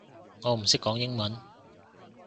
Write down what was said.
我唔識講英文